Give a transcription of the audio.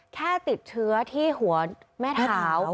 แค่ติดเชื้อที่หัวแม่เท้า